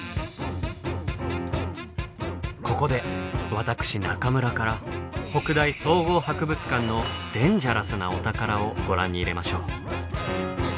ここで私中村から北大総合博物館のデンジャラスなお宝をご覧に入れましょう。